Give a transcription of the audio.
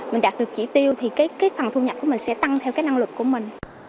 mình đạt được chỉ tiêu thì cái phần thu nhập của mình sẽ tăng theo cái năng lực của mình